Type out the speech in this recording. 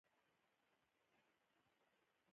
ما پر هغه باندې يوه مفکوره پلورلې وه.